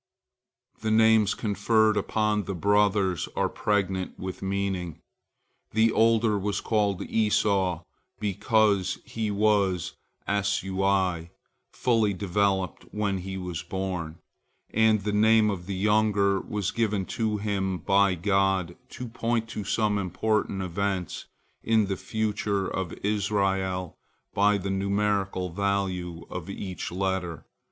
The names conferred upon the brothers are pregnant with meaning. The older was called Esau, because he was 'Asui, fully developed when he was born, and the name of the younger was given to him by God, to point to some important events in the future of Israel by the numerical value of each letter.